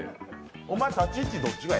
お前、立ち位置どっちがええ？